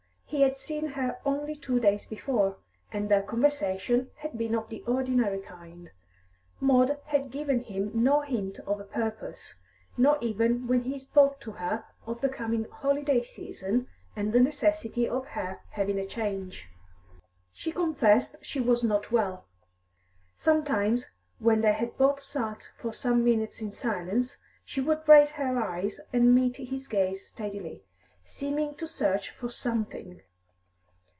He had seen her only two days before, and their conversation had been of the ordinary kind; Maud had given him no hint of her purpose, not even when he spoke to her of the coming holiday season, and the necessity of her having a change. She confessed she was not well. Sometimes, when they had both sat for some minutes in silence, she would raise her eyes and meet his gaze steadily, seeming to search for something.